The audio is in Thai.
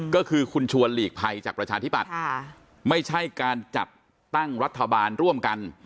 ก็คือคุณชวนหลีกภัยจากประชาธิบัติไม่ใช่การจัดตั้งรัฐบาลร่วมกัน